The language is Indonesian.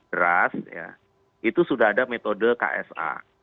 deras itu sudah ada metode ksa